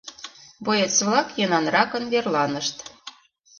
Боец-влак йӧнанракын верланышт.